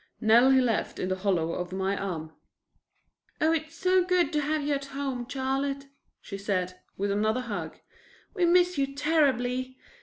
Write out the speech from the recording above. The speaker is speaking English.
Nell he left in the hollow of my arm. "Oh, it is so good to have you at home, Charlotte," she said, with another hug. "We miss you terribly.